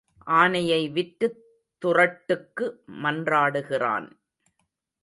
ஆனையை விற்றுத் துறட்டுக்கு மன்றாடுகிறான்.